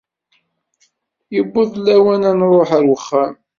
Yewweḍ-d lawan ad nṛuḥ ar wexxam.